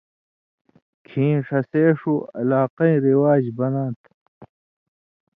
کھیں ݜسے سو علاقَیں رِواج بناں تھہ۔